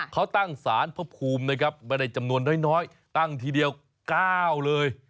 เขาตั้งสารพระภูมินะครับไม่ได้จำนวนน้อยตั้งทีเดียว๙เลย